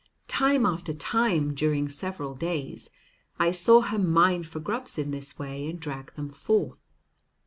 Time after time, during several days, I saw her mine for grubs in this way and drag them forth.